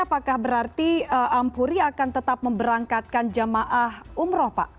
apakah berarti ampuri akan tetap memberangkatkan jamaah umroh pak